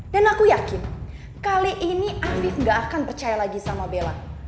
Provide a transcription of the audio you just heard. dan aku yakin kali ini afif gak akan percaya lagi sama bella